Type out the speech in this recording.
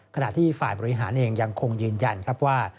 ขณะที่ฝ่ายบริหารเองยังคงยืนยันครับว่า